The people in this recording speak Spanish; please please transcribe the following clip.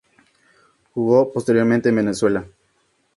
Jugó posteriormente en Venezuela.